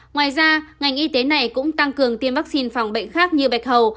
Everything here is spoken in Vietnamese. ngoài ra ngành y tế này cũng tăng cường tiêm vaccine phòng bệnh khác như bạch hầu